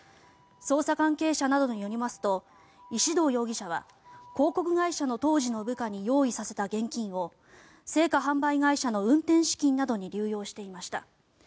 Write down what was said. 捜査関係者などによりますと石動容疑者は広告会社の当時の部下に用意させた現金を生花販売会社の運転資金などに流用していました。